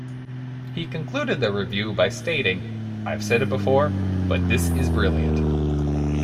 He concluded the review by stating, I've said it before... but this is brilliant.